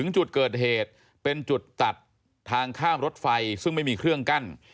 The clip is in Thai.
จุดเกิดเหตุเป็นจุดตัดทางข้ามรถไฟซึ่งไม่มีเครื่องกั้น